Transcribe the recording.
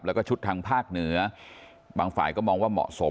แล้วก็ชุดทางภาคเหนือบางฝ่ายก็มองว่าเหมาะสม